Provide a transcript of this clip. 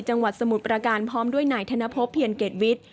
สมุทรประการพร้อมด้วยนายธนพบเพียรเกรดวิทย์